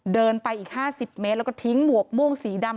เดินไปอีก๕๐เมตรแล้วก็ทิ้งหมวกม่วงสีดำ